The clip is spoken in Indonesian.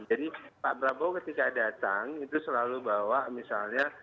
jadi pak prabowo ketika datang itu selalu bahwa misalnya